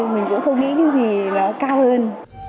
mình cũng không nghĩ cái gì nó cao hơn